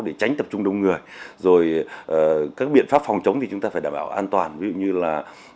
để tránh tập trung đông người rồi các biện pháp phòng chống thì chúng ta phải đảm bảo an toàn ví dụ như là